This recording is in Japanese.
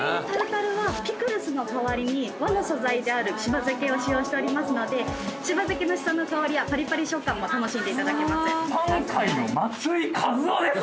タルタルはピクルスの代わりに和の素材であるしば漬けを使用しておりますのでしば漬けのシソの香りやパリパリ食感も楽しんでいただけます。